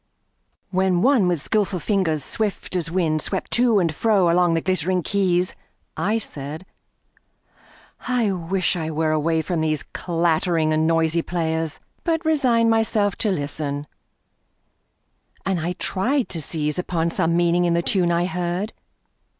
WHEN one with skillful fingers swift as wind Swept to and fro along the glittering keys, I said: I wish I were away from these Clattering and noisy players! but resigned Myself to listen, and I tried to seize Upon some meaning in the tune I heard.